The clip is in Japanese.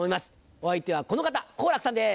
お相手はこの方好楽さんです。